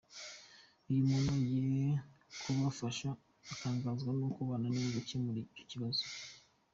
Iyo umuntu agiye kubafasha, atangazwa n’uko bananiwe gukemura icyo kibazo”.